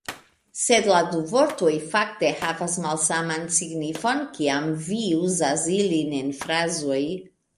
Sed la du vortoj fakte havas malsaman signifon, kiam vi uzas ilin en frazoj.